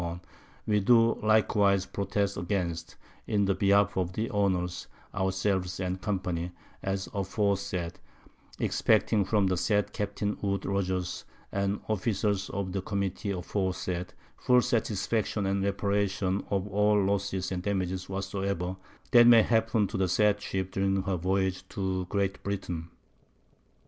_we do likewise Protest against, in the behalf of the Owners, ourselves, and Company, as aforesaid; expecting from the said Captain_ Woodes Rogers, _and Officers of the Committee aforesaid, full Satisfaction and Reparation of all Losses and Damages whatsoever, that may happen to the said Ship during her Voyage to_ Great Britain.